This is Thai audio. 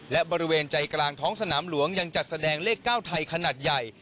และบริเวณใจกลางท้องสนามหลวงยังจัดแสดงเลข๙ไทยขนาดใหญ่